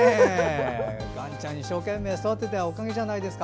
ガンちゃんが一生懸命育てたおかげじゃないですか。